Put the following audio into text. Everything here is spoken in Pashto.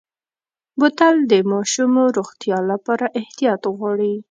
بوتل د ماشومو روغتیا لپاره احتیاط غواړي.